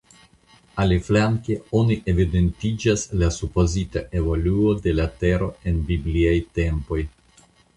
Aliflanke oni evidentiĝas la supozita evoluo de la Tero el bibliaj tempoj.